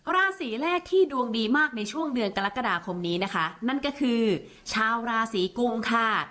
ราศีแรกที่ดวงดีมากในช่วงเดือนกรกฎาคมนี้นะคะนั่นก็คือชาวราศีกุมค่ะ